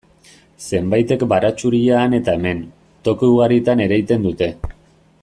Zenbaitek baratxuria han eta hemen, toki ugaritan ereiten dute.